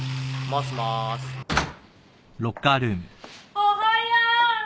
おはよう！